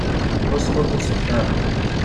Ur smurḍusemt ara.